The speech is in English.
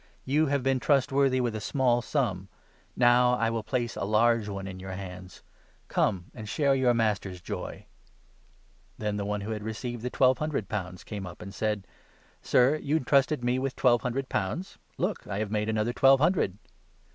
21 ' You have been trustworthy with a small sum ; now I will place a large one in your hands ; come and share your master's joy !' Then the one who had received the twelve hundred pounds 22 came up and said ' Sir, you entrusted me with twelve hun dred pounds ; look, I have made another twelve hundred